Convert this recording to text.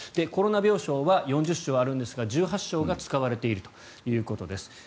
コロナ病床は４０床あるんですが１８床が使われているということです。